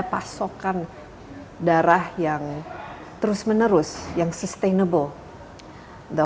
pasokan darah yang terus menerus yang sustainable dok